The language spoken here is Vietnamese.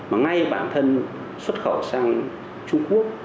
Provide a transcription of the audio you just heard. mà ngay bản thân xuất khẩu sang trung quốc